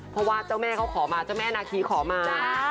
เพราะว่าเจ้าแม่เขาขอมาเจ้าแม่นาคีขอมา